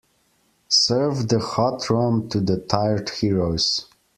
Serve the hot rum to the tired heroes.